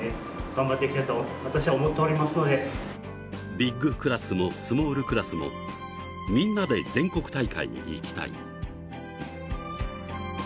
ビッグクラスもスモールクラスもみんなで全国大会に行きたい。